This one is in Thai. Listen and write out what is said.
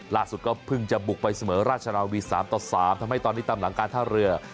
ก็เพิ่งจะบุกไปเสมอราชนาวี๓ต่อ๓ทำให้ตอนนี้ตามหลังการท่าเรือ